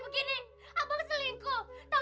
abang selingkuh tau gini aku juga selingkuh bang